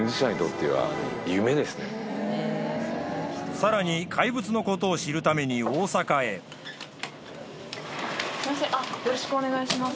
さらに怪物のことを知るために大阪へよろしくお願いします。